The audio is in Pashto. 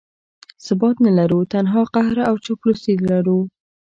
ثبات نه لرو، تنها قهر او چاپلوسي لرو.